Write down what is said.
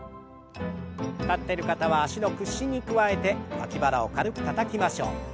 立ってる方は脚の屈伸に加えて脇腹を軽くたたきましょう。